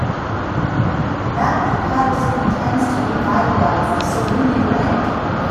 MatlinPatterson intends to revitalize the Cerruti brand.